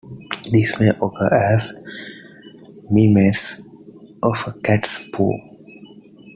They may occur as mimesis of a cat's purr.